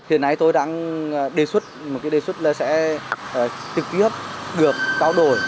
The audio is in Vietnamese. hiện nay tôi đang đề xuất một cái đề xuất là sẽ trực tiếp được trao đổi